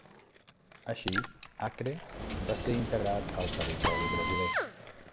Així, Acre va ser integrat al territori brasiler.